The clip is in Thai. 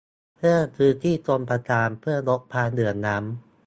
เพิ่มพื้นที่ชลประทานเพื่อลดความเหลื่อมล้ำ